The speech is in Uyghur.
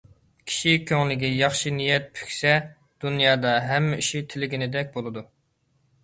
كىشى كۆڭلىگە ياخشى نىيەت پۈكسە، دۇنيادا ھەممە ئىشى تىلىگىنىدەك بولىدۇ.